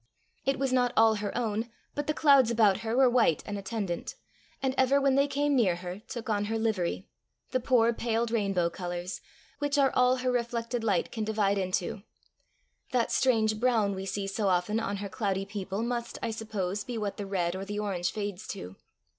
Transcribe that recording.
It was not all her own, but the clouds about her were white and attendant, and ever when they came near her took on her livery the poor paled rainbow colours, which are all her reflected light can divide into: that strange brown we see so often on her cloudy people must, I suppose, be what the red or the orange fades to.